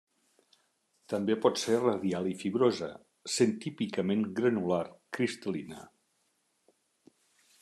També pot ser radial i fibrosa, sent típicament granular cristal·lina.